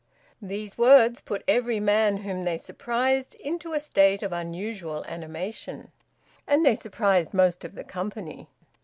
These words put every man whom they surprised into a state of unusual animation; and they surprised most of the company.